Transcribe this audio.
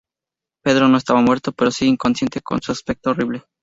Pedro no estaba muerto pero si inconsciente, con un aspecto horrible.